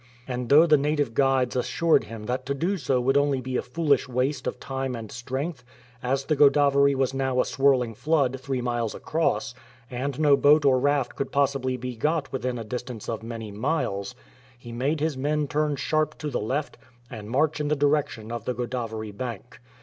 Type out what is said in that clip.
"*' And though the native guides assured him that to do so would only be a foolish waste of time and strength, as the Godavery was now a swirling flood three miles across, and no boat or raft could possibly be got within a distance of many miles, he made his men turn sharp to the left and march in the direction of the Godavery bank.